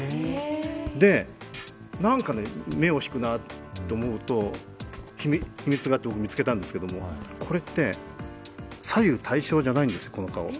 で、何か目を引くなと思うと秘密があって、僕見つけたんですけど、この顔、左右対称じゃないんです。